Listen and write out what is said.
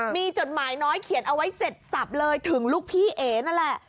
มีจดหมายน้อยเขียนเอาไว้เสร็จสับเลยถึงลูกพี่เอ๋นั่นแหละ